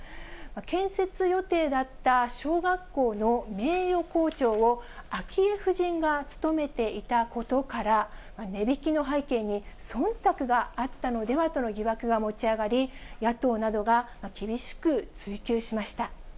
建設予定だった小学校の名誉校長を、昭恵夫人が務めていたことから、値引きの背景に、そんたくがあったのではとの疑惑が持ち上がり、野党などが厳しく追及しました。